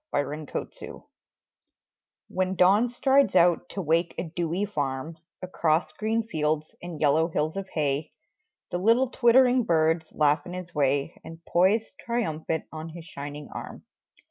Alarm Clocks When Dawn strides out to wake a dewy farm Across green fields and yellow hills of hay The little twittering birds laugh in his way And poise triumphant on his shining arm.